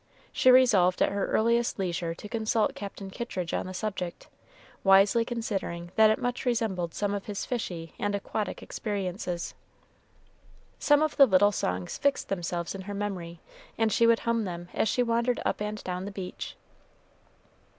She resolved at her earliest leisure to consult Captain Kittridge on the subject, wisely considering that it much resembled some of his fishy and aquatic experiences. Some of the little songs fixed themselves in her memory, and she would hum them as she wandered up and down the beach.